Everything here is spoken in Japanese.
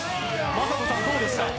魔裟斗さん、どうですか？